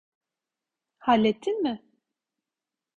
Hallettin mi?